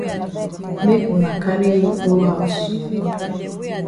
Make wuna carry yi go haus.